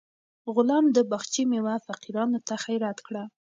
غلام د باغچې میوه فقیرانو ته خیرات کړه.